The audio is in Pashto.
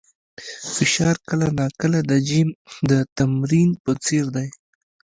فشار کله ناکله د جیم د تمرین په څېر دی.